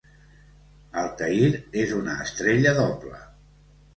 Altair és una estrella doble.